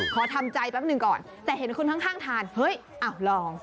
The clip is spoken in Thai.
ขอทำใจแป๊บหนึ่งก่อนแต่เห็นคนข้างทานเฮ้ยอ้าวลอง